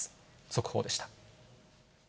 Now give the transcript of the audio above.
速報でした。